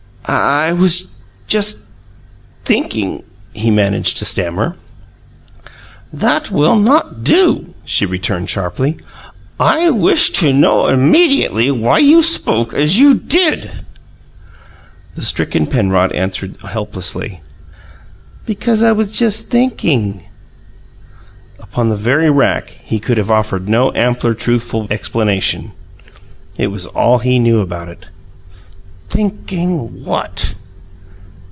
"I was just thinking," he managed to stammer. "That will not do," she returned sharply. "I wish to know immediately why you spoke as you did." The stricken Penrod answered helplessly: "Because I was just thinking." Upon the very rack he could have offered no ampler truthful explanation. It was all he knew about it. "Thinking what?"